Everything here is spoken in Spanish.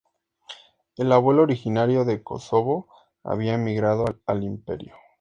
El abuelo, originario de Kosovo, había emigrado al imperio.